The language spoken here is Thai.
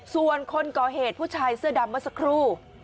ส่วนคนก่อเหตุผู้ชายเสื้อดำเมื่อสักครู่